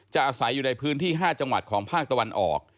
อาศัยอยู่ในพื้นที่๕จังหวัดของภาคตะวันออก